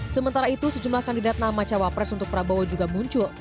sementara itu sejumlah kandidat nama cawapres untuk prabowo juga muncul